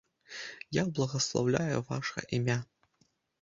Я благаслаўляю ваша імя.